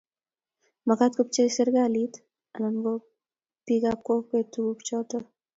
magaat kopcheei serikalit anana ko bikap kokwet tuguk choto